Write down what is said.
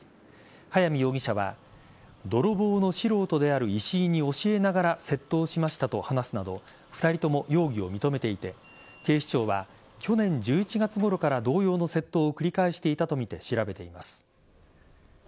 早見容疑者は泥棒の素人である石井に教えながら窃盗をしましたと話すなど２人とも容疑を認めていて警視庁は、去年１１月ごろから同様の窃盗を繰り返していたとみて調べています。